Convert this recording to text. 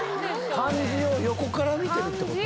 漢字を横から見てるってこと？